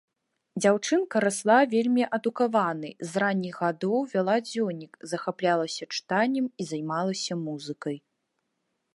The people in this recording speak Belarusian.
Дзяўчынка расла вельмі адукаванай, з ранніх гадоў вяла дзённік, захаплялася чытаннем і займалася музыкай.